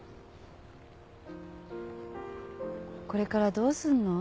これからどうすんの？